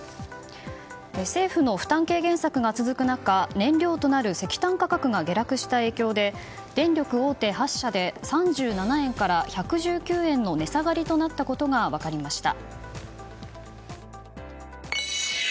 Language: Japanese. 政府の負担軽減策が続く中燃料となる石炭価格が下落した影響で電力大手８社で３７円から１１９円の値下がりとなったことが分かりました。